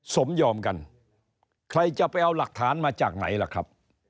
สมยอมกันใครจะไปเอาหลักฐานมาจากไหนล่ะครับ